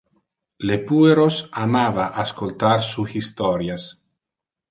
Le pueros amava ascoltar su historias.